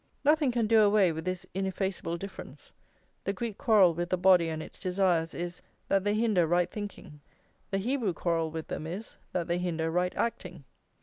Nothing can do away with this ineffaceable difference; the Greek quarrel with the body and its desires is, that they hinder right thinking, the Hebrew quarrel with them is, that they hinder right acting.